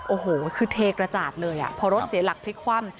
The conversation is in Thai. โอ้โหคือเทกระจาดเลยอ่ะพอรถเสียหลักพลิกคว่ำ